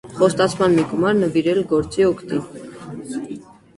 Խոստացա մի գումար նվիրել գործի օգտին.